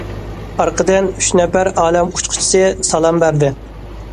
ئارقىدىن، ئۈچ نەپەر ئالەم ئۇچقۇچىسى سالام بەردى.